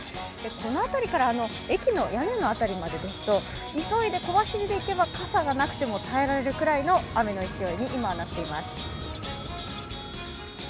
この辺りから駅の屋根の辺りまでですと、急いで小走りで行くと傘がなくても耐えられるくらいの雨の勢いに、今はなっています。